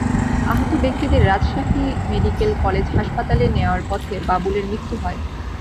আহত ব্যক্তিদের Rajshahi medical college হাসপাতালে নেওয়ার পথে বাবুলের মৃত্যু হয়।